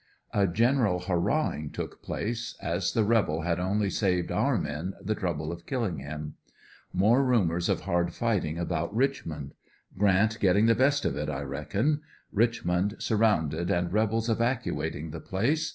A general hurrahing took place, as the rebel had only saved our men the trouble of killing him. More rumors of hard fighting about Richmond. Grant getting the best of it I reckon. Rich mond surrounded and rebels evacuating the place.